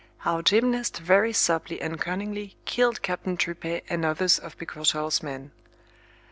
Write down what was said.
How Gymnast very souply and cunningly killed Captain Tripet and others of Picrochole's men.